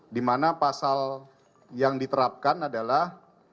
di mana pasal yang diterapkan adalah